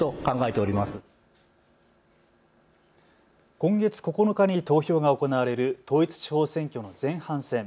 今月９日に投票が行われる統一地方選挙の前半戦。